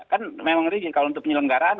kan memang rigid kalau untuk penyelenggaraan